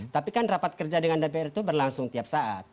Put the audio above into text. tapi kan rapat kerja dengan dpr itu berlangsung tiap saat